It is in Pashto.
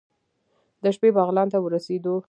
د شپې بغلان ته ورسېدو.